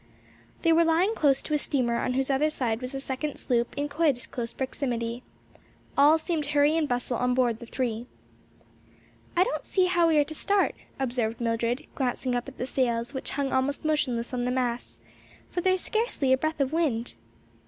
They were lying close to a steamer on whose other side was a second sloop in quite as close proximity. All seemed hurry and bustle on board the three. "I don't see how we are to start," observed Mildred, glancing up at the sails which hung almost motionless on the masts, "for there's scarcely a breath of wind."